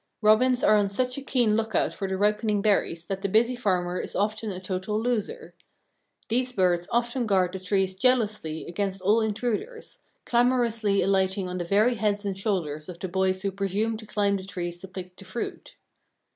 Robins are on such a keen lookout for the ripening berries that the busy farmer is often a total loser. These birds often guard the trees jealously against all intruders, clamorously alighting on the very heads and shoulders of the boys who presume to climb the trees to pick the fruit.